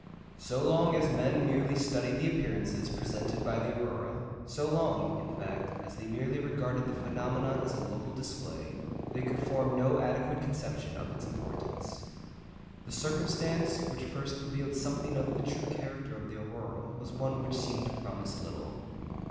So long as men merely studied the appearances presented by the aurora, so long, in fact, as they merely regarded the phenomenon as a local display, they could form no adequate conception of its importance. The circumstance which first revealed something of the true character of the aurora was one which seemed to promise little.